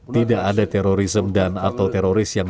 tidak ada teroris